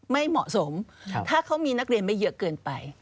ไม่เหมาะสมถ้าเขามีนักเรียนไม่เยอะเกินไป